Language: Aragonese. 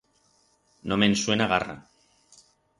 No me'n suena garra.